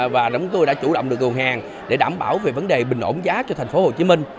và chúng tôi đã chủ động được nguồn hàng để đảm bảo về vấn đề bình ổn giá cho thành phố hồ chí minh